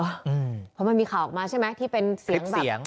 เพราะมันมีข่าวออกมาใช่ไหมที่เป็นเสียงแบบเสียง